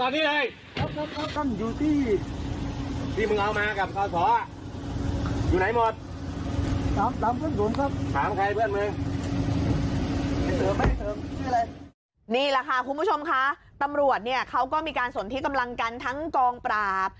นี่แหละค่ะคุณผู้ชมค่ะตำรวจเนี่ยเขาก็มีการสนที่กำลังกันทั้งกองปราบ